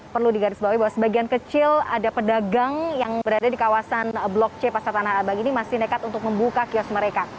perlu digarisbawahi bahwa sebagian kecil ada pedagang yang berada di kawasan blok c pasar tanah abang ini masih nekat untuk membuka kios mereka